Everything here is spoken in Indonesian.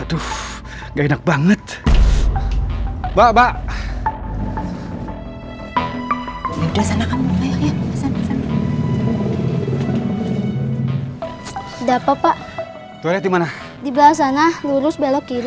di belakang sana lurus belok kiri